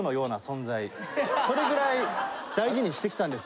それぐらい大事にしてきたんです。